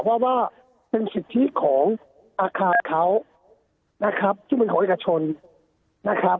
เพราะว่าเป็นสิทธิของอาคารเขานะครับซึ่งเป็นของเอกชนนะครับ